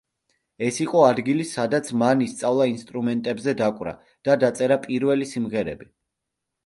ეს ეს იყო ადგილი, სადაც მან ისწავლა ინსტრუმენტებზე დაკვრა და დაწერა პირველი სიმღერები.